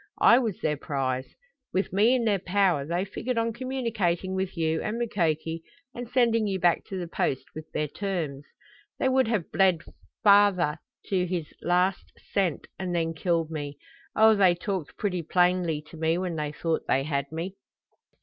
I was their prize. With me in their power they figured on communicating with you and Mukoki and sending you back to the Post with their terms. They would have bled father to his last cent and then killed me. Oh, they talked pretty plainly to me when they thought they had me!"